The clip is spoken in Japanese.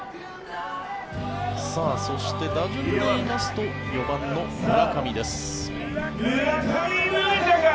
そして、打順で言いますと４番の村上です。